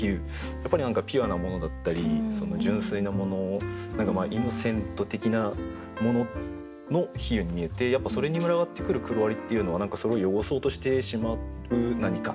やっぱり何かピュアなものだったり純粋なものイノセント的なものの比喩に見えてやっぱそれに群がってくる黒蟻っていうのは何かそれを汚そうとしてしまう何か。